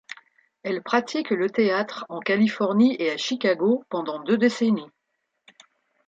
Elle pratique le théâtre en Californie et à Chicago pendant deux décennies.